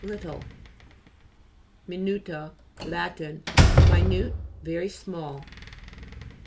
Little. MINU'TA Lat. Minute, very small.